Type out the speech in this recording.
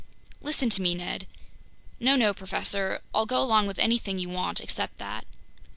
"Listen to me, Ned—" "No, no, professor. I'll go along with anything you want except that.